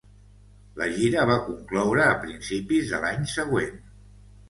La gira va concloure a principis de l'any següent.